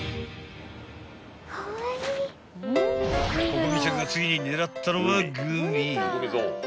［湖々未ちゃんが次に狙ったのはグミ］